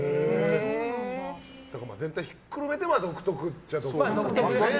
全体ひっくるめて独特っちゃ独特。